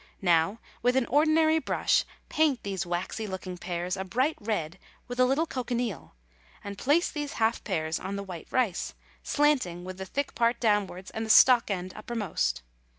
Now, with an ordinary brush, paint these waxy looking pears a bright red with a little cochineal, and place these half pears on the white rice, slanting, with the thick part downwards and the stalk end uppermost.